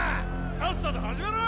さっさと始めろ！